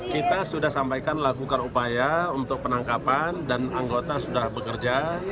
kita sudah sampaikan lakukan upaya untuk penangkapan dan anggota sudah bekerja